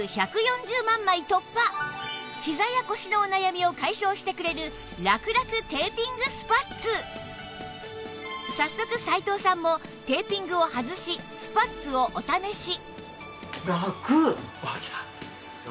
ひざや腰のお悩みを解消してくれる早速齋藤さんもテーピングを外しスパッツをお試し